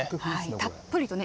たっぷりとね